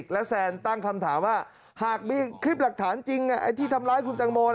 และแซนตั้งคำถามว่าหากมีคลิปหลักฐานจริงไอ้ที่ทำร้ายคุณตังโม